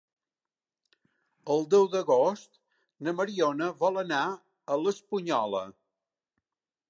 El deu d'agost na Mariona vol anar a l'Espunyola.